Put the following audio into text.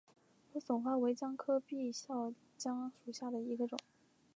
莴笋花为姜科闭鞘姜属下的一个种。